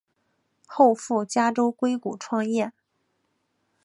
后赴加州硅谷创业。